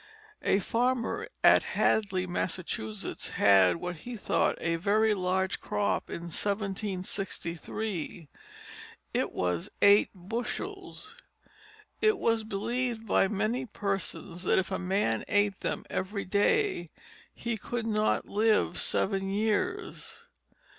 A farmer at Hadley, Massachusetts, had what he thought a very large crop in 1763 it was eight bushels. It was believed by many persons that if a man ate them every day, he could not live seven years.